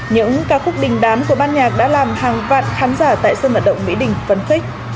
những ca khúc đình đám của ban nhạc đã làm hàng vạn khán giả tại sân vận động mỹ đình phấn khích